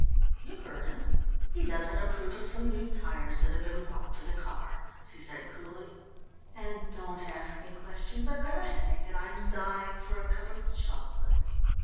"You heard him. He doesn't approve of some new tyres that have been bought for the car," she said coolly. "And don't ask me questions. I've got a headache and I'm dying for a cup of chocolate."